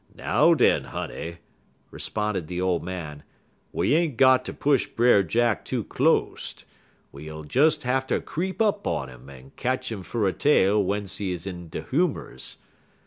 "Now, den, honey," responded the old man, "we ain't got ter push Brer Jack too closte; we ull des hatter creep up on 'im en ketch 'im fer er tale wence he in de humors.